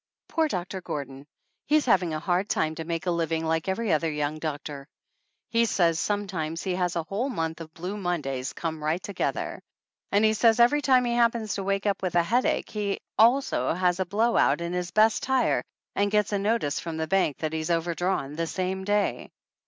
Poor Doctor Gordon! He's having a hard time to make a living like every other young 44 THE ANNALS OF ANN doctor. He says sometimes he has a whole month of blue Mondays come right together. And he says every time he happens to wake up with a headache he also has a blowout in his best tire and gets a notice from the bank that he's overdrawn the same day.